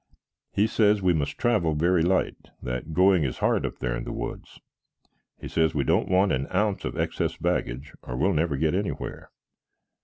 He says we must travel very light; that going is hard up there in the woods. He says we don't want an ounce of excess baggage, or we'll never get anywhere.